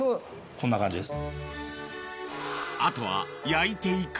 こんな感じです。